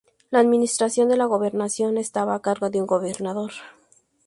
La administración de la gobernación estaba a cargo de un gobernador.